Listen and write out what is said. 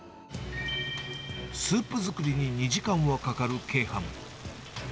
スープ作りに２時間はかかる鶏飯。